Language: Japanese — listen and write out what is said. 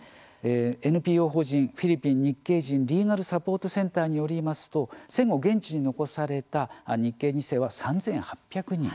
ＮＰＯ法人フィリピン日系人リーガルサポートセンターによりますと戦後現地に残された日系２世は３８００人。